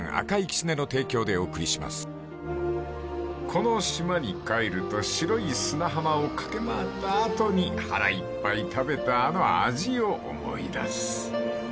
［この島に帰ると白い砂浜を駆け回った後に腹いっぱい食べたあの味を思い出す］